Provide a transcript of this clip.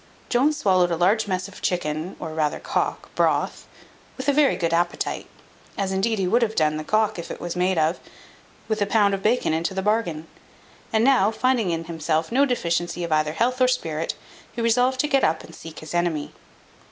Jones swallowed a large mess of chicken, or rather cock, broth, with a very good appetite, as indeed he would have done the cock it was made of, with a pound of bacon into the bargain; and now, finding in himself no deficiency of either health or spirit, he resolved to get up and seek his enemy.